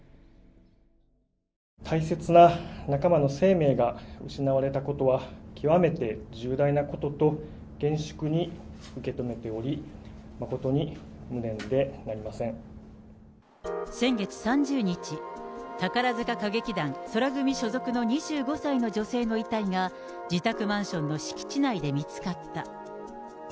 大切な仲間の生命が失われたことは、極めて重大なことと厳粛に受け止めており、先月３０日、宝塚歌劇団宙組所属の２５歳の女性の遺体が、自宅マンションの敷地内で見つかった。